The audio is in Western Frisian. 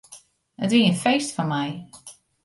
It wie in feest foar my.